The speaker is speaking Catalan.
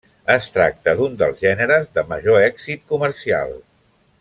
Es tracta d'un dels gèneres de major èxit comercial.